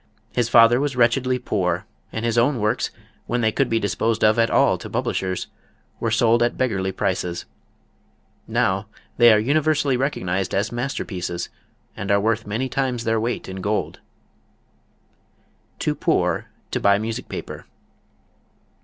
His father was wretchedly poor, and his own works, when they could be disposed of at all to publishers, were sold at beggarly prices. Now they are universally recognized as masterpieces and are worth many times their weight in gold. Too Poor to Buy Music Paper.